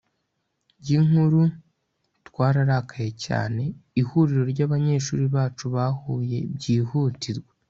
y'inkuru. twararakaye cyane. ihuriro ry'abanyeshuri bacu bahuye byihutirwa